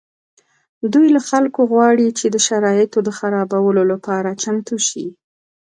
دوی له خلکو غواړي چې د شرایطو د خرابولو لپاره چمتو شي